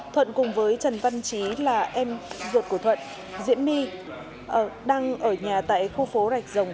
trần văn chí là em ruột của thuận diễm my đang ở nhà tại khu phố rạch rồng